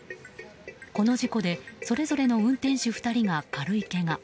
この事故でそれぞれの運転手２人が軽いけが。